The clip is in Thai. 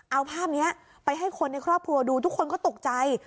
เอาภาพนี้ไปให้คนในครอบครัวดูทุกคนก็ตกใจ